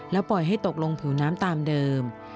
ปล่อยให้ตกลงผูน้ำตามเดิม